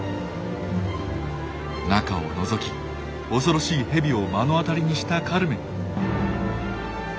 中をのぞき恐ろしいヘビを目の当たりにしたカルメン。